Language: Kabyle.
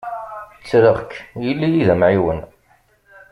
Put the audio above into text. Ttreɣ-k ili-yi d amɛiwen.